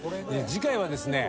次回はですね